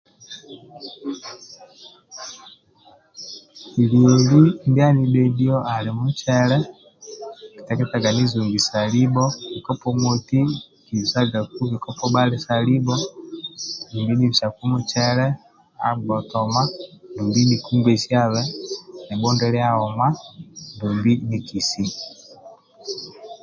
Lieli ndia anidhedhio ali mucele nikiteketaga nizungisabe libho kikopo moti nkibisagaku bikopo bhali sa libho dumbi nibasaku mucele agbotoma, nikungbesyabe nibhundilia aoma dumbi nikisia